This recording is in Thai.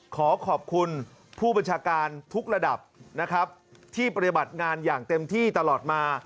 ขอขอบคุณผู้บัญชาการทุกระดับนะครับที่ปฏิบัติงานอย่างเต็มที่ตลอดมา